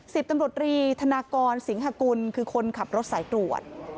สิบตำรวจรีธนากรสิงหากุลคือคนขับรถสายตรวจ